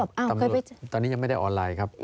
ตำรวจตอนนี้ยังไม่ได้ออนไลน์ครับ